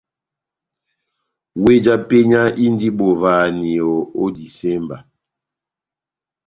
Weh já penya indi bovahaniyo ó disemba.